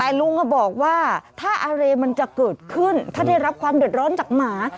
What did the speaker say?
แต่ลุงก็บอกว่าถ้าอะไรมันจะเกิดขึ้นถ้าได้รับความเดือดร้อนจากหมา